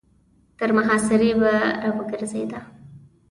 تر محاصرې به را ګرځېده.